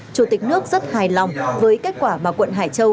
chủ tịch nước rất hài lòng với kết quả mà quận hải châu